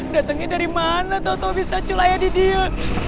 datangnya dari mana tau tau bisa culaya di dia